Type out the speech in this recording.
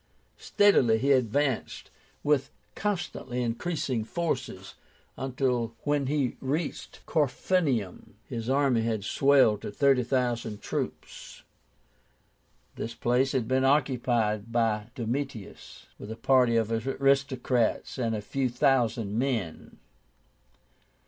Steadily he advanced, with constantly increasing forces, until when he reached Corfinium his army had swelled to thirty thousand troops. This place had been occupied by Domitius with a party of aristocrats and a few thousand men.